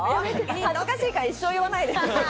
恥ずかしいから一生言わないで。